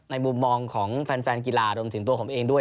มุมมองของแฟนกีฬารวมถึงตัวผมเองด้วย